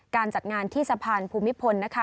จัดงานที่สะพานภูมิพลนะคะ